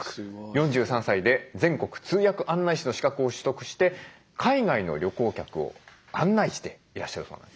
４３歳で全国通訳案内士の資格を取得して海外の旅行客を案内していらっしゃるそうなんですね。